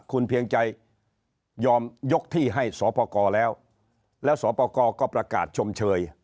คุณเพียงใจยอมยกที่ให้สอปกรแล้วแล้วสอปกรก็ประกาศชมเชย